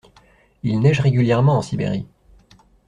Il neige régulièrement en Sibérie.